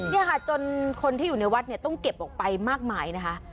เนี่ยค่ะจนคนที่อยู่ในวัดเนี่ยต้องเก็บออกไปมากมายนะคะ